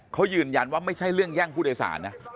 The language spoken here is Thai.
เขายืนยันว่าไม่ใช่เรื่องแย่งผู้โดยสารนะ